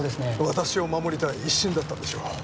私を守りたい一心だったんでしょう。